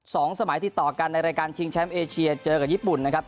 สองสมัยติดต่อกันในรายการชิงแชมป์เอเชียเจอกับญี่ปุ่นนะครับ